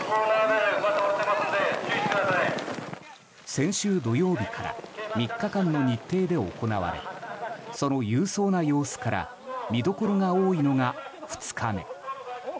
先週土曜日から３日間の日程で行われその勇壮な様子から見どころが多いのが２日目。